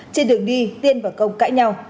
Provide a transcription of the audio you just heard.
trên đường đi tiên và công cãi nhau